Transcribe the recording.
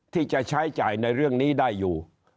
ที่จะใช้จ่ายในเรื่องนี้ได้อยู่